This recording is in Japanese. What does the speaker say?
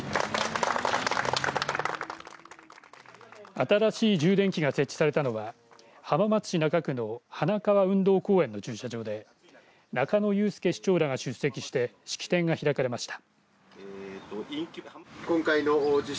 新しい充電器が設置されたのは浜松市中区の花川運動公園の駐車場で中野祐介市長らが出席して式典が開かれました。